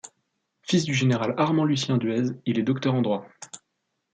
Fils du général Armand Lucien Duez, il est docteur en droit.